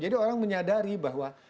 jadi orang menyadari bahwa